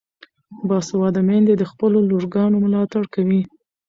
باسواده میندې د خپلو لورګانو ملاتړ کوي.